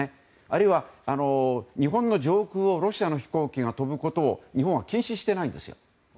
あるいは、日本の上空をロシアの飛行機が飛ぶことを日本は禁止していないんです。